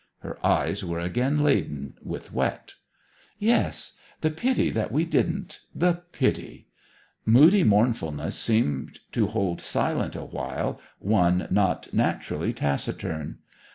Her eyes were again laden with wet. 'Yes ... The pity that we didn't the pity!' Moody mournfulness seemed to hold silent awhile one not naturally taciturn.